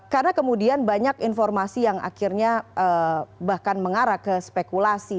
karena kemudian banyak informasi yang akhirnya bahkan mengarah ke spekulasi